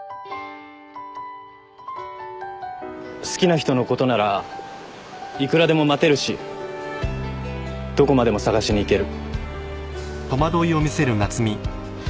好きな人のことならいくらでも待てるしどこまでも捜しに行ける。